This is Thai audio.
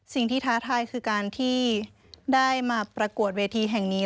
ท้าทายคือการที่ได้มาประกวดเวทีแห่งนี้